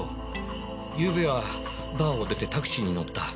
ゆうべはバーを出てタクシーに乗った。